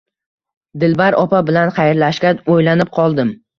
Dilbar opa bilan xayrlashgach, o`ylanib qoldim